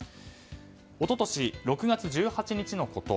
一昨年６月１８日のこと。